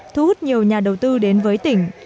thu hút nhiều nhà đầu tư đến với tỉnh